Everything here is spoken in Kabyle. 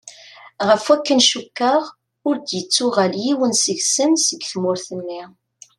Ɣef wakk-n cukkeɣ, ur d-yettuɣal yiwen seg-sen seg tmurt-nni.